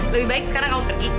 lebih baik sekarang kamu pergi